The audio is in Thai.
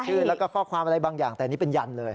ชื่อแล้วก็ข้อความอะไรบางอย่างแต่นี่เป็นยันเลย